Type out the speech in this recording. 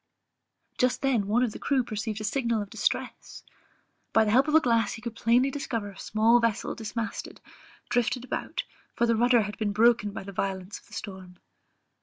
Just then one of the crew perceived a signal of distress; by the help of a glass he could plainly discover a small vessel dismasted, drifted about, for the rudder had been broken by the violence of the storm.